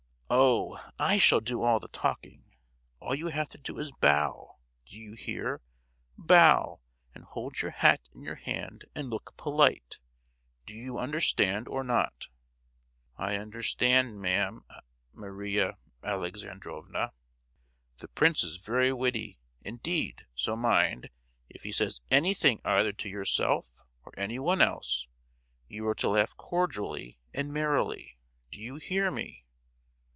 "Oh, I shall do all the talking. All you have to do is to bow. Do you hear? Bow; and hold your hat in your hand and look polite. Do you understand, or not?" "I understand, mam—Maria Alexandrovna." "The prince is very witty, indeed; so mind, if he says anything either to yourself or anyone else, you are to laugh cordially and merrily. Do you hear me?"